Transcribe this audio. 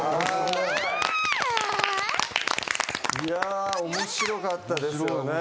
いや面白かったですよね。